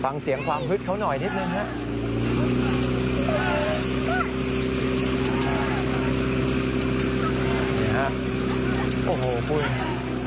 ฟังเสียงความฮึดเขาหน่อยนิดนึงครับ